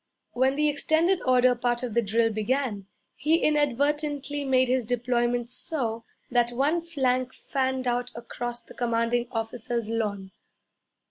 When the extended order part of the drill began, he inadvertently made his deployment so that one flank fanned out across the commanding officer's lawn.